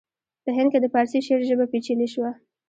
په هند کې د پارسي شعر ژبه پیچلې شوه